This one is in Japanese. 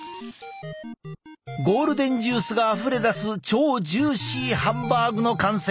ゴールデンジュースがあふれ出す超ジューシーハンバーグの完成だ！